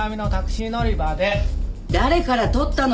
誰から取ったの？